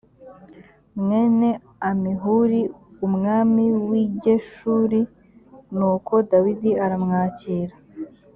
mwene amihuri umwami w i geshuri nuko dawidi aramwakira